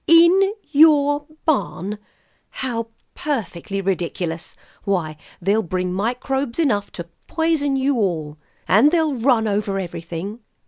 "In your barn? How perfectly ridiculous! Why, they'll bring microbes enough to poison you all. And they'll run over everything."